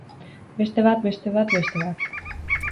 Beste bat, beste bat, beste bat.